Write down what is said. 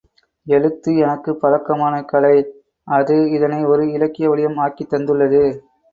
எழுத்து எனக்குப் பழக்கமான கலை அது இதனை ஒரு இலக்கிய வடிவம் ஆக்கித் தந்துள்ளது.